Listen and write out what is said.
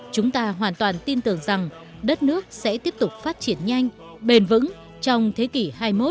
chúng ta hoàn toàn tin tưởng rằng đất nước sẽ tiếp tục phát triển nhanh bền vững trong thế kỷ hai mươi một